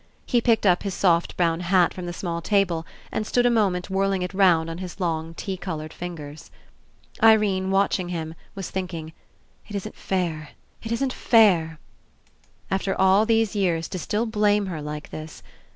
He picked up his soft brown hat from the small table and stood a moment whirling it round on his long tea coloured fingers. Irene, watching him, was thinking: "It Isn't fair, It isn't fair." After all these years to 99 PASSING Still blame her like this.